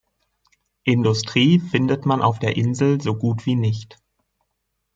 Industrie findet man auf der Insel so gut wie nicht.